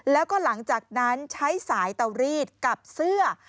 แล้วก็หลังจากนั้นใช้สายเตารีดกับเสื้อ